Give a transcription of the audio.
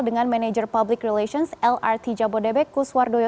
dengan manajer public relations lrt jabodebek kuswardoyo